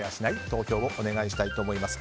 投票をお願いします。